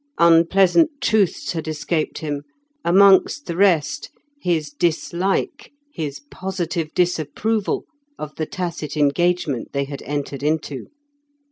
Unpleasant truths had escaped him; amongst the rest, his dislike, his positive disapproval of the tacit engagement they had entered into.